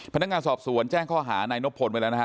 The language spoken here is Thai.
พนักงานสอบสวนแจ้งข้อหานายนบพลไปแล้วนะฮะ